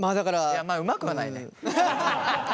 いやまあうまくはないね。